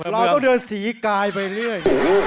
เราต้องเดินสีกายไปเรื่อย